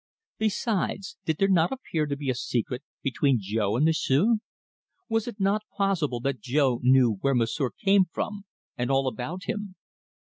Besides, did there not appear to be a secret between Jo and M'sieu'? Was it not possible that Jo knew where M'sieu' came from, and all about him?